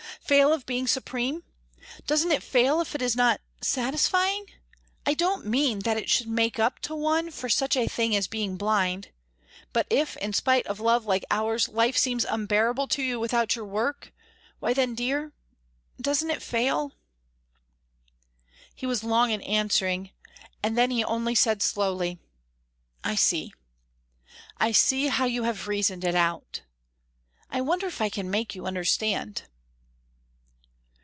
Fail of being supreme? Doesn't it fail if it is not satisfying? I don't mean that it should make up to one for such a thing as being blind, but if in spite of love like ours life seems unbearable to you without your work why then, dear, doesn't it fail?" He was long in answering, and then he only said, slowly: "I see. I see how you have reasoned it out. I wonder if I can make you understand?"